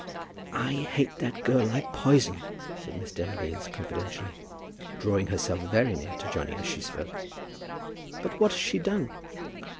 "I hate that girl like poison!" said Miss Demolines, confidentially, drawing herself very near to Johnny as she spoke. "But what has she done?"